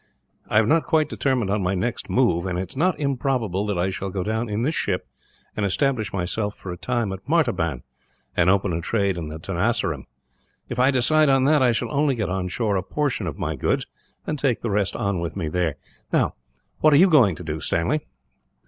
"I have not quite determined on my next move, and it is not improbable that I shall go down in this ship and establish myself, for a time, at Martaban; and open a trade in Tenasserim. If I decide on that, I shall only get on shore a portion of my goods, and take the rest on with me there. "Now, what are you going to do, Stanley?"